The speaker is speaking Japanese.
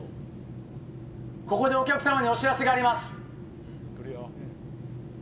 ここでお客さまにお知らせがあります。